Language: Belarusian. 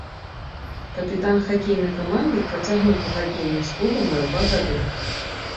Капітан хакейнай каманды працягнуў пагадненне з клубам на два гады.